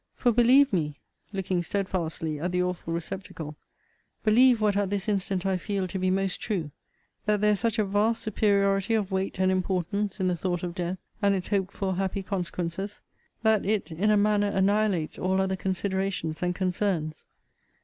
For, believe me,' [looking stedfastly at the awful receptacle,] 'believe what at this instant I feel to be most true, That there is such a vast superiority of weight and importance in the thought of death, and its hoped for happy consequences, that it in a manner annihilates all other considerations and concerns.